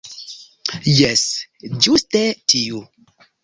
Jes, ĝuste tiu.